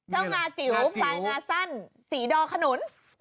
งาจิ๋วพลายงาสั้นสีดอขนุน